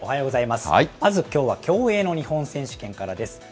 まずきょうは、競泳の日本選手権からです。